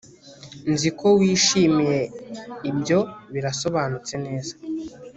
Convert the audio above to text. nzi ko wishimiye ibyo birasobanutse neza